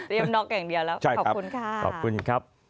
เรียบนอกอย่างเดียวแล้วขอบคุณครับ